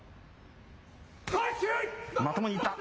まともにいった。